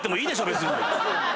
別に。